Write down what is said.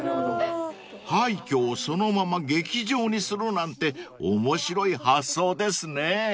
［廃墟をそのまま劇場にするなんて面白い発想ですね］